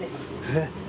えっ？